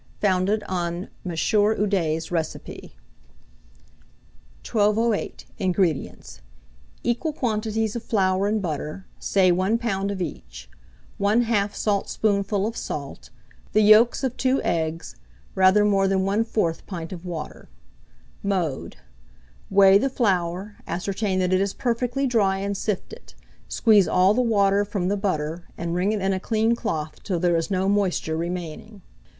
(Founded on M. Ude's Recipe.) 1208. INGREDIENTS. Equal quantities of flour and butter say 1 lb. of each; 1/2 saltspoonful of salt, the yolks of 2 eggs, rather more than 1/4 pint of water. Mode. Weigh the flour; ascertain that it is perfectly dry, and sift it; squeeze all the water from the butter, and wring it in a clean cloth till there is no moisture remaining.